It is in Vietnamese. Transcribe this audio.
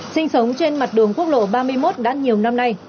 sinh sống trên mặt đường quốc lộ ba mươi một đã nhiều năm nay